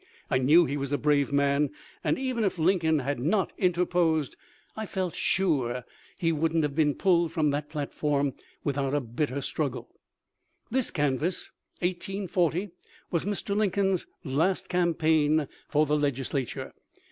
I knew he was a brave man, and even if Lincoln had THE LIFE OF LINCOLN. 197 not interposed, I felt sure he wouldn't have been pulled from the platform without a bitter struggle. This canvass — 1840 — was Mr. Lincoln's last cam paign for the Legislature.